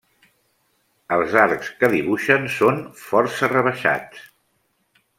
Els arcs que dibuixen són força rebaixats.